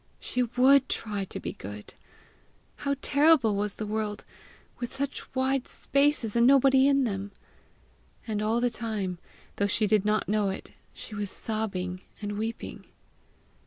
She would try to be good! How terrible was the world, with such wide spaces and nobody in them! And all the time, though she did not know it, she was sobbing and weeping.